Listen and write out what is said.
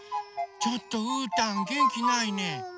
ちょっとうーたんげんきないね。